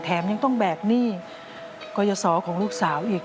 ยังต้องแบกหนี้กรยศของลูกสาวอีก